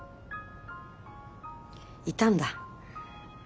いたんだ。